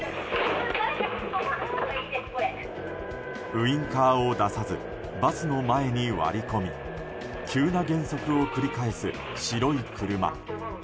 ウインカーを出さずバスの前に割り込み急な減速を繰り返す白い車。